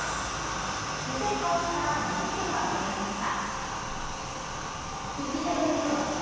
湯煎開始から２０分が経過しました。